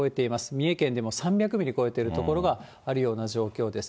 三重県でも３００ミリを超えているような所がある状況です。